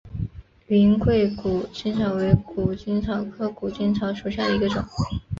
云贵谷精草为谷精草科谷精草属下的一个种。